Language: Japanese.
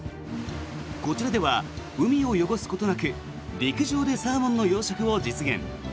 こちらでは海を汚すことなく陸上でサーモンの養殖を実現。